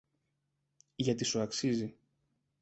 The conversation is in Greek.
γιατί σου αξίζει.